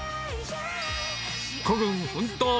孤軍奮闘！